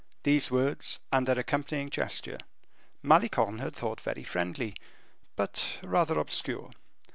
These words, and their accompanying gesture, Malicorne had thought very friendly, but rather obscure.